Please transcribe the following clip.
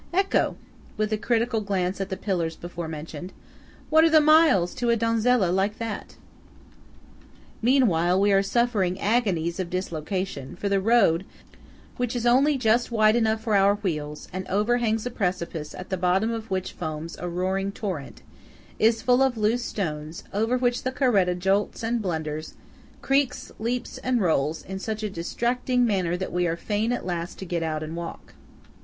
Ecco!" (with a critical glance at the pillars before mentioned) "what are the miles to a donzella like that!" Meanwhile we are suffering agonies of dislocation; for the road (which is only just wide enough for our wheels, and overhangs a precipice at the bottom of which foams a roaring torrent) is full of loose stones, over which the caretta jolts and blunders, creaks, leaps, and rolls in such a distracting manner that we are fain at last to get out and walk.